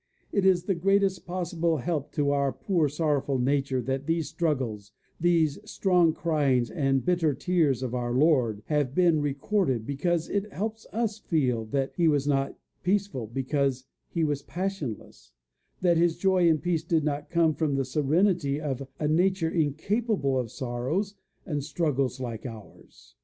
It is the greatest possible help to our poor sorrowful nature that these struggles, these strong cryings and bitter tears of our Lord, have been recorded, because it helps us to feel that he was not peaceful because he was passionless that his joy and peace did not come from the serenity of a nature incapable of sorrow and struggles like ours.